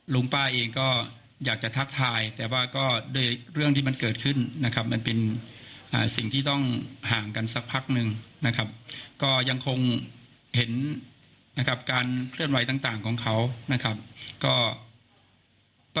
ลุงป้าเองก็อยากจะทักทายแต่ว่าก็ด้วยเรื่องที่มันเกิดขึ้นนะครับมันเป็นสิ่งที่ต้องห่างกันสักพักนึงนะครับก็ยังคงเห็นนะครับการเคลื่อนไหวต่างของเขานะครับ